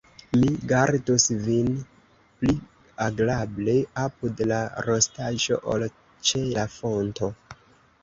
Mi gardus vin pli agrable apud la rostaĵo, ol ĉe la fonto.